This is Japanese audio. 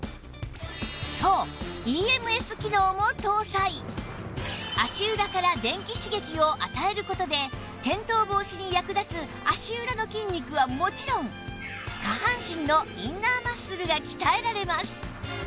そう足裏から電気刺激を与える事で転倒防止に役立つ足裏の筋肉はもちろん下半身のインナーマッスルが鍛えられます